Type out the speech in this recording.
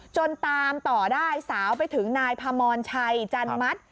จนตามต่อได้สาวไปถึงนายพมรชัยจันมัติ